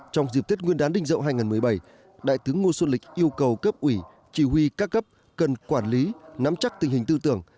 trong dịp tết nguyên đán đình dậu hai nghìn một mươi bảy đại tướng ngô xuân lịch yêu cầu cấp ủy chỉ huy các cấp cần quản lý nắm chắc tình hình tư tưởng